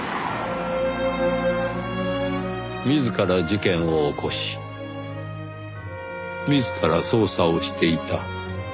自ら事件を起こし自ら捜査をしていた。